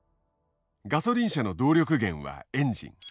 ガソリン車の動力源はエンジン。